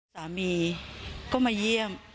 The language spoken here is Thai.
สามีก็มาเยี่ยม